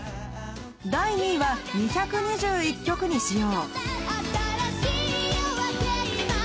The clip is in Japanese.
第２位は２２１曲に使用